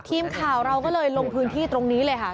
ทีมข่าวเราก็เลยลงพื้นที่ตรงนี้เลยค่ะ